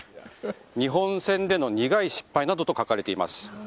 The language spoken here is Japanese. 日本戦での苦い失敗などと書かれています。